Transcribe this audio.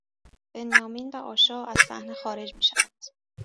بنیامین و آشا از صحنه خارج می شوند